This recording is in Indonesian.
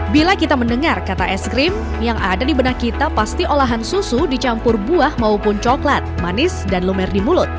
bila kita mendengar kata es krim yang ada di benak kita pasti olahan susu dicampur buah maupun coklat manis dan lumer di mulut